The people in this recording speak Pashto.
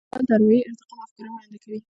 لیکوال د اروايي ارتقا مفکوره وړاندې کوي.